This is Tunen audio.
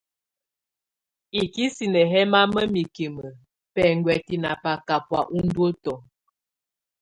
Ikisine yɛ mama mikime bɛnguɛtɛ na bakabɔa unduətɔ.